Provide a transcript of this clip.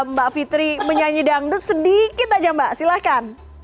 mbak fitri menyanyi dangdut sedikit aja mbak silahkan